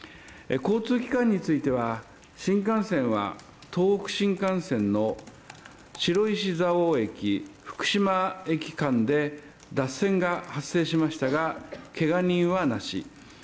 交通機関については、新幹線は東北新幹線の白石蔵王駅福島駅間で脱線が発生しましたがけが人はなし。